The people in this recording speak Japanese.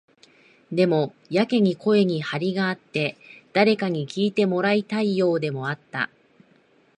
でも、やけに声に張りがあって、誰かに聞いてもらいたいようでもあった。